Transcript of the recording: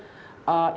jadi itu berbeda